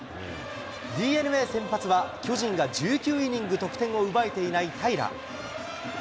ＤｅＮＡ先発は、巨人が１９イニング得点を奪えていない平良。